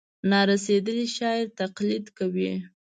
نا رسېدلي شاعر تقلید کوي.